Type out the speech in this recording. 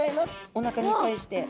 おなかに対して。